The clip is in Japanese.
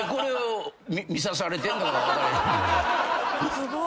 すごい。